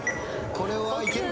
これはいけるか？